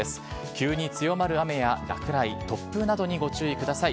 急に強まる雨や落雷、突風などにご注意ください。